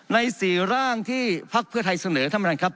ใน๔ร่างที่พักเพื่อไทยเสนอท่านประธานครับ